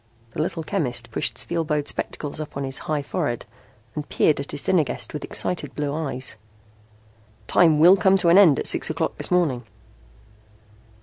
The little chemist pushed steel bowed spectacles up on his high forehead and peered at his dinner guest with excited blue eyes. "Time will come to an end at six o'clock this morning."